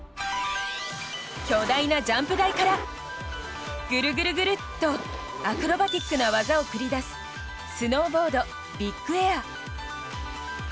巨大なジャンプ台からぐるぐるぐるっとアクロバティックな技を繰り出すスノーボード・ビッグエア。